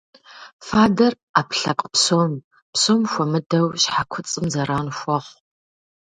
Фадэр Ӏэпкълъэпкъ псом, псом хуэмыдэу щхьэ куцӀым зэран хуэхъу.